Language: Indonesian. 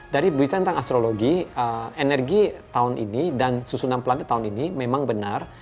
dari berbicara tentang astrologi energi tahun ini dan susunan planet tahun ini memang benar